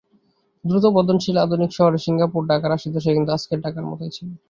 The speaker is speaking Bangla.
দ্রুত বর্ধনশীল আধুনিক শহর সিঙ্গাপুর আশির দশকে কিন্তু আজকের ঢাকার মতোই ছিল।